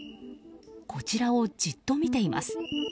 こちらをじっと見ています。